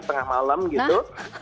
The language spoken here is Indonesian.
tengah malam gitu